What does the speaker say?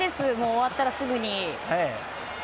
終わったらすぐに。